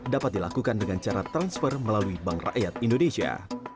dapat dilakukan dengan cara transfer melalui bank rakyat indonesia